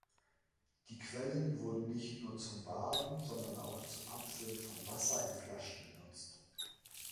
Die Quellen wurden nicht nur zum Baden, sondern auch zum Abfüllen von Wasser in Flaschen genutzt.